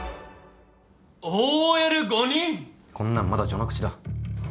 こんなんまだ序の口だ。